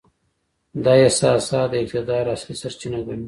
دا احساسات د اقتدار اصلي سرچینه ګڼي.